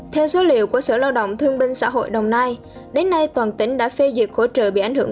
theo số liệu của sở lao động thương binh xã hội đồng nai đến nay toàn tỉnh đã phê duyệt hỗ trợ bị ảnh hưởng